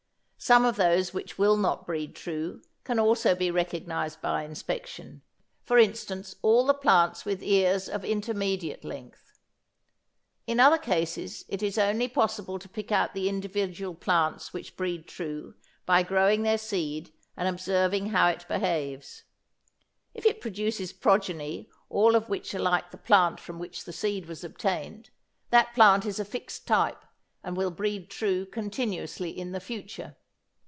Some of those which will not breed true can also be recognised by inspection, for instance, all the plants with ears of intermediate length. In other cases it is only possible to pick out the individual plants which breed true by growing their seed and observing how it behaves. If it produces progeny all of which are like the plant from which the seed was obtained, that plant is a fixed type and will breed true continuously in the future.